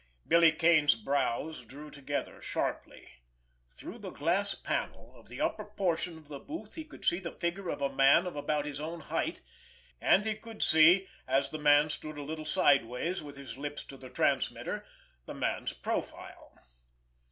Billy Kane's brows drew together sharply. Through the glass panel of the upper portion of the booth he could see the figure of a man of about his own height, and he could see, as the man stood a little sideways with his lips to the transmitter, the man's profile.